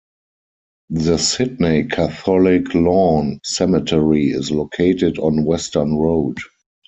The Sydney Catholic Lawn Cemetery is located on Western Road.